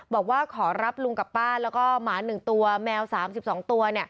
บอกว่าขอรับลุงกับป้าแล้วก็หมา๑ตัวแมว๓๒ตัว